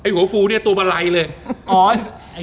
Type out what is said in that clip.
หัวฟูเนี่ยตัวบะไลเลย